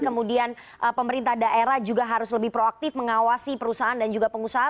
kemudian pemerintah daerah juga harus lebih proaktif mengawasi perusahaan dan juga pengusaha